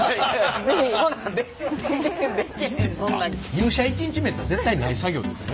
入社１日目やったら絶対ない作業ですよね？